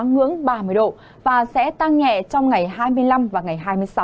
ngưỡng ba mươi độ và sẽ tăng nhẹ trong ngày hai mươi năm và ngày hai mươi sáu